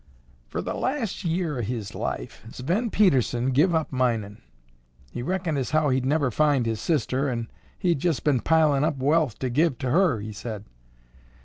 "Fer the las' year o' his life, Sven Pedersen give up minin'. He reckoned as how he'd never find his sister an' he'd jest been pilin' up wealth to give to her, he sed.